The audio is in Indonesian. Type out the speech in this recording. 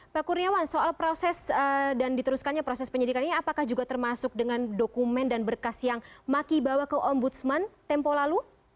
pak kurniawan soal proses dan diteruskannya proses penyidikannya apakah juga termasuk dengan dokumen dan berkas yang maki bawa ke ombudsman tempo lalu